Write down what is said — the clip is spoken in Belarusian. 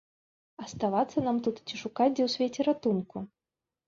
Аставацца нам тут ці шукаць дзе ў свеце ратунку?